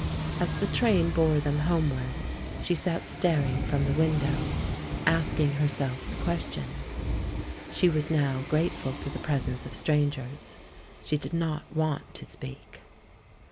As the train bore them homeward, she sat staring from the window, asking herself the question. She was now gi ateful for the presence of strangers; she did not want to speak.